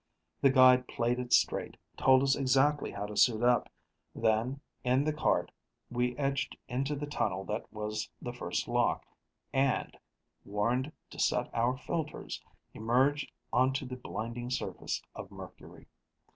The guide played it straight, told us exactly how to suit up. Then, in the cart, we edged into the tunnel that was the first lock, and warned to set our filters emerged onto the blinding surface of Mercury.